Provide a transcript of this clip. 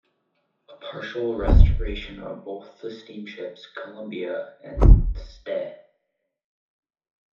A partial restoration of both of the steamships, "Columbia" and "Ste.